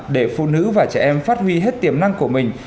để phụ nữ và trẻ em phát huy hết tiềm năng của mình